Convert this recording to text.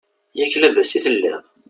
Yak labas i tettiliḍ!